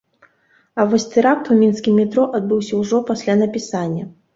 А вось тэракт у мінскім метро адбыўся ўжо пасля напісання.